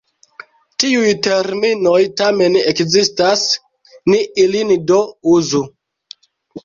Tiuj terminoj tamen ekzistas, ni ilin do uzu.